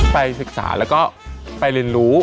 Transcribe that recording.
ไปศึกษาแล้วก็ไปเรียนรู้